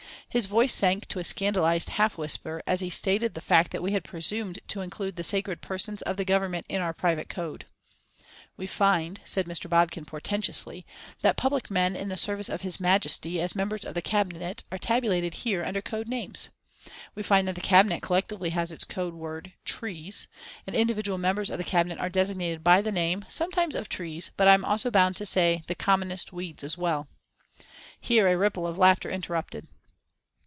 His voice sank to a scandalised half whisper as he stated the fact that we had presumed to include the sacred persons of the Government in our private code. "We find," said Mr. Bodkin portentously, "that public men in the service of His Majesty as members of the Cabinet are tabulated here under code names. We find that the Cabinet collectively has its code word "Trees," and individual members of the Cabinet are designated by the name, sometimes of trees, but I am also bound to say the commonest weeds as well." Here a ripple of laughter interrupted.